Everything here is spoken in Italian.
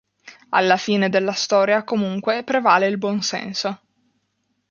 Alla fine della storia comunque prevale il buon senso.